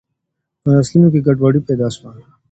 په نسلونو کي ګډوډي پیدا سوه.